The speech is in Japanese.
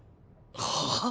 はあ？